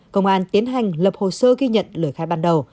công an tiến hành lập hồ sơ ghi nhận lời khai ban đầu